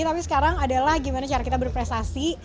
tapi sekarang adalah gimana cara kita berprestasi